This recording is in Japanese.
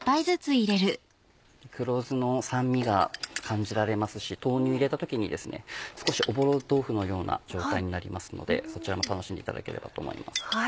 黒酢の酸味が感じられますし豆乳入れた時に少しおぼろ豆腐のような状態になりますのでそちらも楽しんでいただければと思います。